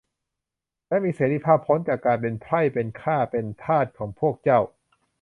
และมีเสรีภาพพ้นจากการเป็นไพร่ เป็นข้าเป็นทาสของพวกเจ้า